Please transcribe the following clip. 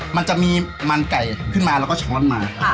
มันจะมีมันไก่ขึ้นมาแล้วก็ช้อนมา